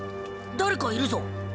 誰かいるぞ。